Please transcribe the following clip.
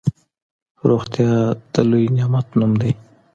روغتيا د لوی نعمت نوم دی.